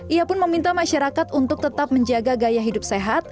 ia pun meminta masyarakat untuk tetap menjaga gaya hidup sehat